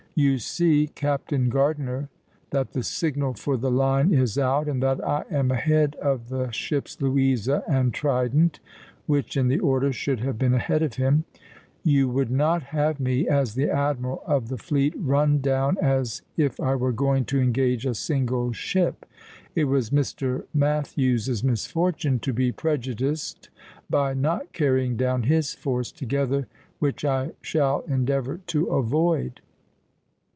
"You see, Captain Gardiner, that the signal for the line is out, and that I am ahead of the ships 'Louisa' and 'Trident' [which in the order should have been ahead of him]. You would not have me, as the admiral of the fleet, run down as if I were going to engage a single ship. It was Mr. Matthews's misfortune to be prejudiced by not carrying down his force together, which I shall endeavor to avoid."